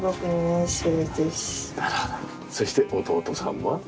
そして弟さんは？